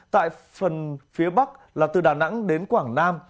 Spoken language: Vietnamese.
tại phần phía bắc là từ đà nẵng đến quảng nam